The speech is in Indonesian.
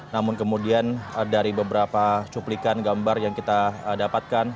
namun kemudian dari beberapa cuplikan gambar yang kita dapatkan